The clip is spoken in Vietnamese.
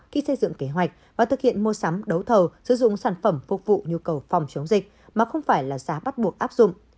khi xây dựng kế hoạch và thực hiện mua sắm đấu thầu sử dụng sản phẩm phục vụ nhu cầu phòng chống dịch mà không phải là giá bắt buộc áp dụng